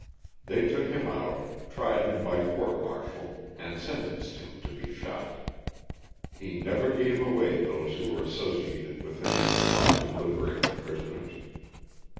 They took him out, tried him by court martial and sentenced him to be shot. He never gave away those who were associated with him in the plot to liberate the pris oners.